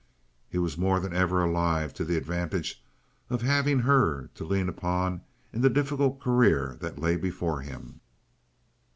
He was more than ever alive to the advantage of having her to lean upon in the difficult career that lay before him.